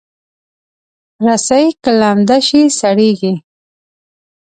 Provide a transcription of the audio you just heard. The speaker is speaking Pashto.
رسۍ که لمده شي، سړېږي.